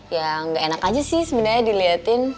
yang nggak enak aja sih sebenarnya diliatin